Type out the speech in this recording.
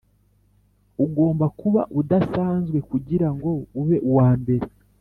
ugomba kuba udasanzwe kugirango ube uwambere.